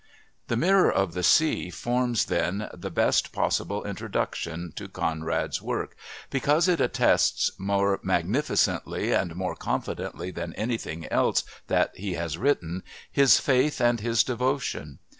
The Mirror of the Sea forms then the best possible introduction to Conrad's work, because it attests, more magnificently and more confidently than anything else that he has written, his faith and his devotion.